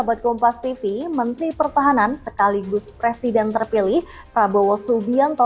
ketua umum partai gerindra prabowo subianto